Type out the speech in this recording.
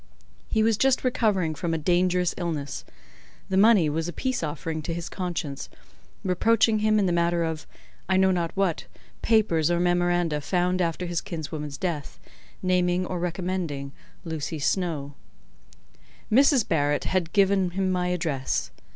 He was just recovering from a dangerous illness; the money was a peace offering to his conscience, reproaching him in the matter of, I know not what, papers or memoranda found after his kinswoman's death—naming or recommending Lucy Snowe. Mrs. Barrett had given him my address.